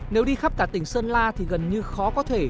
nếu đi khắp cả tỉnh sơn la thì gần như khó có thể